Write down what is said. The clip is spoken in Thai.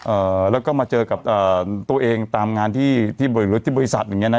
เอ่อแล้วก็มาเจอกับเอ่อตัวเองตามงานที่ที่รถที่บริษัทอย่างเงี้นะ